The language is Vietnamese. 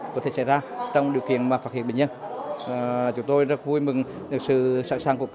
có thể xảy ra trong điều kiện phát hiện bệnh nhân